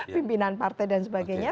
pimpinan partai dan sebagainya